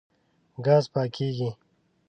ګاز پاکېږي.